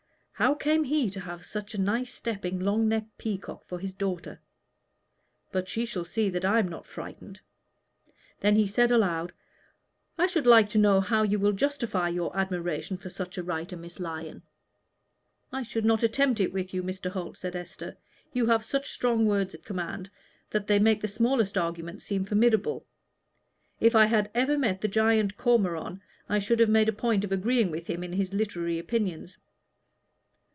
How came he to have such a nice stepping, long necked peacock for his daughter? but she shall see that I am not frightened." Then he said aloud, "I should like to know how you will justify your admiration for such a writer, Miss Lyon." "I should not attempt it with you, Mr. Holt," said Esther. "You have such strong words at command that they make the smallest argument seem formidable. If I had ever met the giant Cormoran, I should have made a point of agreeing with him in his literary opinions."